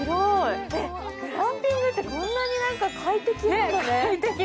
グランピングってこんなに快適なんだね。